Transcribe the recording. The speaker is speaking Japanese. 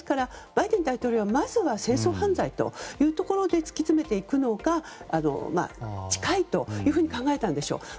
バイデン大統領は、まずは戦争犯罪というところで突き詰めていくのが近いと考えたんでしょう。